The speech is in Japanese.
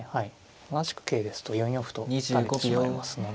同じく桂ですと４四歩と打たれてしまいますので。